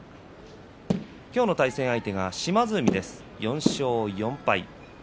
今日の対戦相手が島津海です４勝４敗。